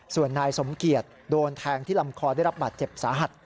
ส่วนนายสมเกียจโดนแทงที่ลำคอได้รับบาดเจ็บสาหัส